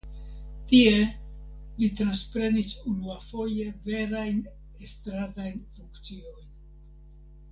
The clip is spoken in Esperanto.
Tie li transprenis unuafoje verajn estradajn funkciojn.